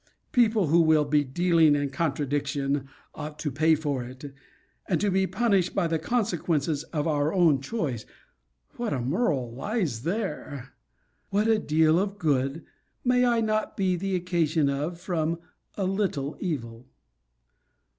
People who will be dealing in contradiction ought to pay for it. And to be punished by the consequences of our own choice what a moral lies there! What a deal of good may I not be the occasion of from a little evil!